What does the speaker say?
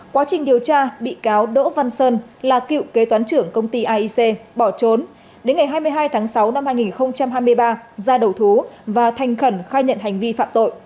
quá trình điều tra bị cáo đỗ văn sơn là cựu kế toán trưởng công ty aic bỏ trốn đến ngày hai mươi hai tháng sáu năm hai nghìn hai mươi ba ra đầu thú và thành khẩn khai nhận hành vi phạm tội